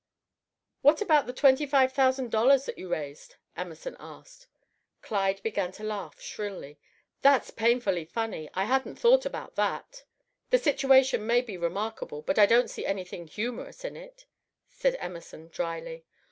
"What about the twenty five thousand dollars that you raised?" Emerson asked. Clyde began to laugh, shrilly. "That's painfully funny. I hadn't thought about that." "The situation may be remarkable, but I don't see anything humorous in it," said Emerson, dryly.